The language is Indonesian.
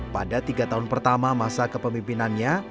pada tiga tahun pertama masa kepemimpinannya